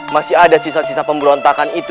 masih ada sisa sisa pemberontakan itu